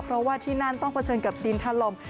เพราะว่าที่นั่นต้องเผชิญกับดินทะลม